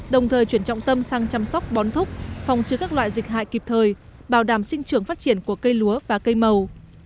đồng thời chuyển trọng tâm sang chăm sóc bón thúc phòng trừ các loại dịch hại kịp thời bảo đảm sinh trưởng phát triển của cây lúa và cây màu